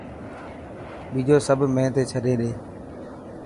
ٻيجو سب مين تي ڇڏي ڏي.